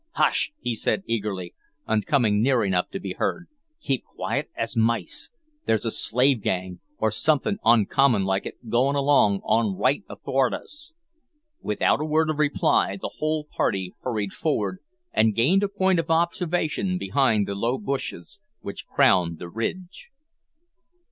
"Hush!" he said eagerly, on coming near enough to be heard; "keep quiet as mice. There's a slave gang, or somethin' uncommon like it, goin' along on right athwart us." Without a word of reply, the whole party hurried forward and gained a point of observation behind the low bushes which crowned the ridge.